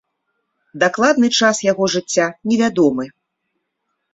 Дакладны час яго жыцця не вядомы.